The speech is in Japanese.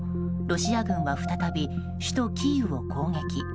ロシア軍は再び首都キーウを攻撃。